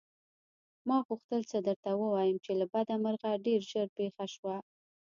ما غوښتل څه درته ووايم چې له بده مرغه ډېر ژر پېښه شوه.